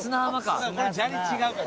これ砂利違うから。